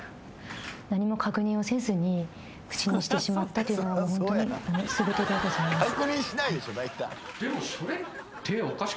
何も確認をせずに口にしてしまったというのがホントに全てでございます。